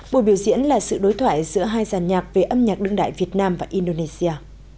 buổi biểu diễn là sự đối thoại giữa hai giàn nhạc về âm nhạc đương đại việt nam và indonesia